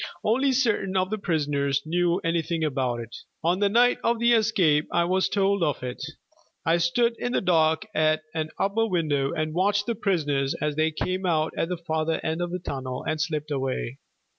Only certain of the prisoners knew anything about it. On the night of the escape I was told of it. I stood in the dark at an upper window and watched the prisoners as they came out at the farther end of the tunnel and slipped away.